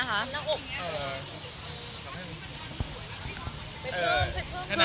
ผมดังนี้